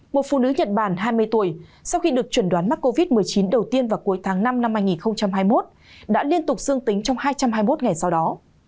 một phụ nữ nhật bản hai mươi tuổi sau khi được chuẩn đoán mắc covid một mươi chín đầu tiên vào cuối tháng năm năm hai nghìn hai mươi một đã liên tục dương tính trong hai trăm hai mươi một ngày sau đó